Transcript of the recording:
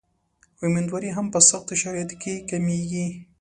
امیندواري هم په سختو شرایطو کې کمېږي.